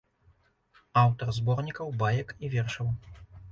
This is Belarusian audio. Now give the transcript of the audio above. Аўтар зборнікаў баек і вершаў.